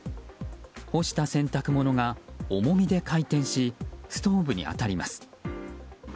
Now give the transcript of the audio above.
干した洗濯物が重みで回転しストーブに当たります。